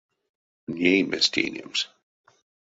Ней мезть тейнемс?